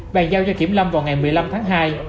bàn giao cho kiểm lâm vào ngày một mươi năm tháng hai